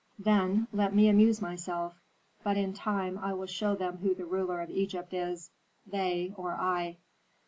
Then let me amuse myself. But in time I will show them who the ruler of Egypt is, they or I."